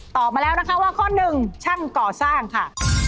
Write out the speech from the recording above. มาแล้วนะคะว่าข้อหนึ่งช่างก่อสร้างค่ะ